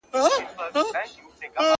نه لري هيـڅ نــنــــگ,